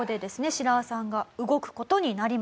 シラワさんが動く事になります。